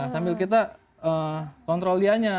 sambil kita kontrol dianya